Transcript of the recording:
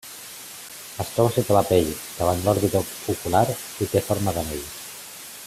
Es troba sota la pell, davant l'òrbita ocular, i té forma d'anell.